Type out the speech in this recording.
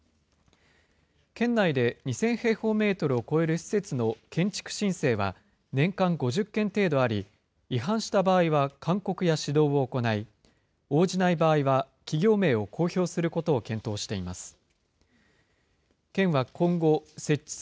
県内で２０００平方メートルを超える施設の建築申請は、年間５０件程度あり、違反した場合は勧告や指導を行い、応じない場合は、企業名を公表することを検討しています。